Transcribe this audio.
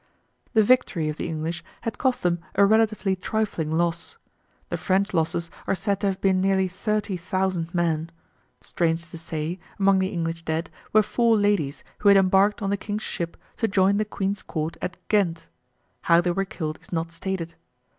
The victory of the English had cost them a relatively trifling loss. The French losses are said to have been nearly 30,000 men. Strange to say, among the English dead were four ladies who had embarked on the King's ship to join the Queen's Court at Ghent. How they were killed is not stated.